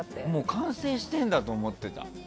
完成してるんだと思ってた。